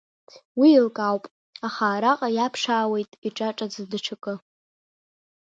Уи еилкаауп, аха араҟа иаԥшаауеит иҿаҿаӡа даҽакы.